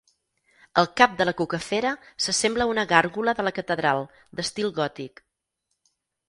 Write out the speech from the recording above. El cap de la cucafera s'assembla a una gàrgola de la Catedral, d'estil gòtic.